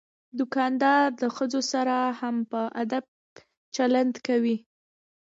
دوکاندار د ښځو سره هم په ادب چلند کوي.